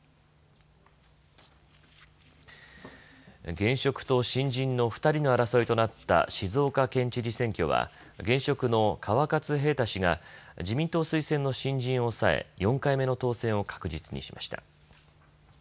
現職と新人の２人の争いとなった静岡県知事選挙は現職の川勝平太氏が自民党推薦の新人を抑え、４回目の当選を確実にしました。